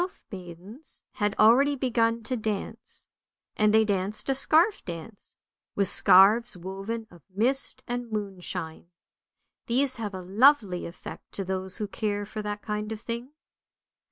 54 ANDERSEN'S FAIRY TALES The elf maidens had already begun to dance, and they danced a scarf dance, with scarves woven of mist and moon shine; these have a lovely effect to those who care for that kind of thing.